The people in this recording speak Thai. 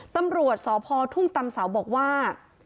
ตำรวจสพทุ่งตำเสาบอกว่า